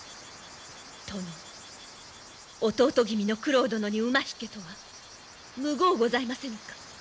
殿弟君の九郎殿に馬引けとはむごうございませぬか？